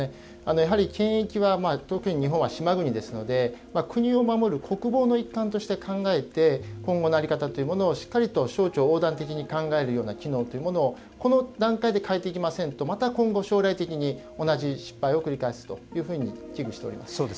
やはり検疫は特に日本は島国ですので国を守る国防の一環として考えて今後の在り方というものをしっかりと省庁横断的に考える機能というものをこの段階で変えていきませんとまた今後、将来的に同じ失敗を繰り返すというふうに危惧しております。